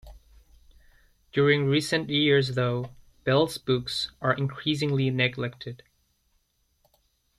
During recent years though, Bell's books are increasingly neglected.